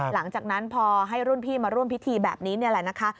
หลังจากนั้นพอให้รุ่นพี่มาร่วมพิธีแบบนี้นี่แหละนะคะ